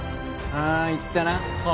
ああ言ったなあ